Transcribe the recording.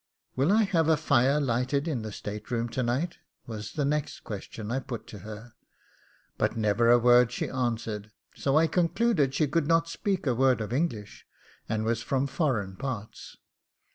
'Will I have a fire lighted in the state room to night?' was the next question I put to her, but never a word she answered; so I concluded she could not speak a word of English, and was from foreign parts.